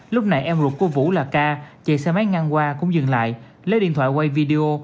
lúc này em ruột của vũ là ca chạy xe máy ngang qua cũng dừng lại lấy điện thoại quay video